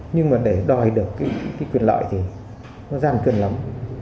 nhưng mà để đòi được cái quyền lợi thì nó gian cơn lắm